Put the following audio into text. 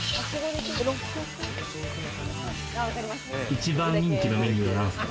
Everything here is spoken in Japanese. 一番人気のメニューなんすか？